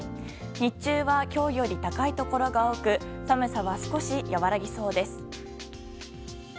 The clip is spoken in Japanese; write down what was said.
日中は今日より高いところが多く寒さは少し和らぎそうです。